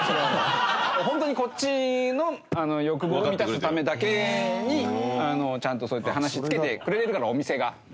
ホントにこっちの欲望を満たすためだけにちゃんとそうやって話つけてくれてるからお店が。